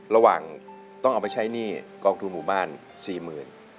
ระหว่างต้องเอาไปใช้หนี้กองทุนหมู่บ้าน๔๐๐๐บาท